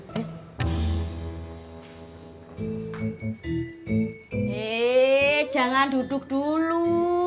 hei jangan duduk dulu